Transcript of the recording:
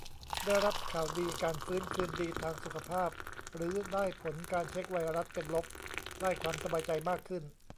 ได้รับข่าวดีการฟื้นคืนดีทางสุขภาพ หรือได้ผลการเช็กไวรัสเป็นลบ ได้ความสบายใจมากขึ้น